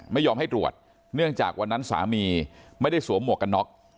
ไม่ยอมให้ตรวจเนื่องจากวันนั้นสามีไม่ได้สวมหมวกกันน็อก